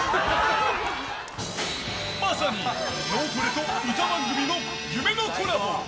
まさに脳トレと歌番組の夢のコラボ。